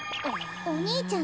お兄ちゃん